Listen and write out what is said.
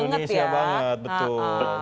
indonesia banget betul